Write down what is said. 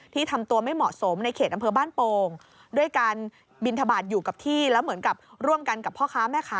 ทำตัวไม่เหมาะสมในเขตอำเภอบ้านโป่งด้วยการบินทบาทอยู่กับที่แล้วเหมือนกับร่วมกันกับพ่อค้าแม่ค้า